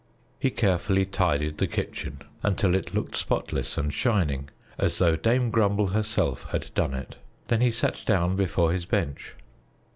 He carefully tidied the kitchen until it looked spotless and shining, as though Dame Grumble herself had done it. Then he sat down before his bench.